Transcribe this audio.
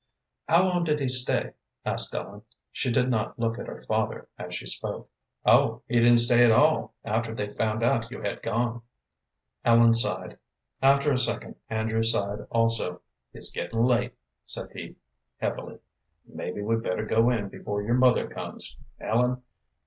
"How long did he stay?" asked Ellen. She did not look at her father as she spoke. "Oh, he didn't stay at all, after they found out you had gone." Ellen sighed. After a second Andrew sighed also. "It's gettin' late," said he, heavily; "mebbe we'd better go in before your mother comes, Ellen.